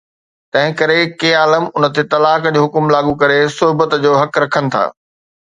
تنهن ڪري، ڪي عالم ان تي طلاق جو حڪم لاڳو ڪري صحبت جو حق رکن ٿا